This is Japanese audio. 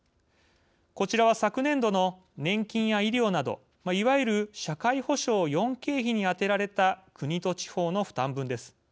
こちらは昨年度の年金や医療などいわゆる社会保障４経費に充てられた国と地方の負担分です。